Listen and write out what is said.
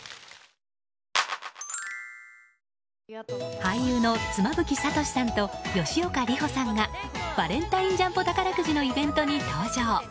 俳優の妻夫木聡さんと吉岡里帆さんがバレンタインジャンボ宝くじのイベントに登場。